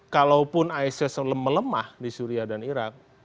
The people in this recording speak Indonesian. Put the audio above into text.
kalaupun isis melemah di syria dan irak